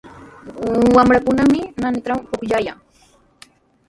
Wamrakunami naanitraw pukllaykaayan.